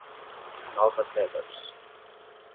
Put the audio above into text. Nova Tebas